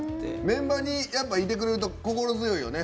メンバーにいてくれると心強いよね。